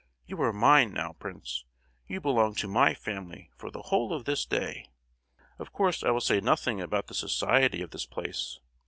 "You are mine now, Prince; you belong to my family for the whole of this day! Of course I will say nothing about the society of this place.